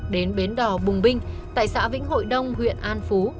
đến bến đỏ bùng binh tại xã vĩnh hội đông huyện an phú